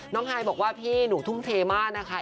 ไฮบอกว่าพี่หนูทุ่มเทมากนะคะ